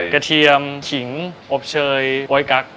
เทียมขิงอบเชยโอ๊ยกั๊ก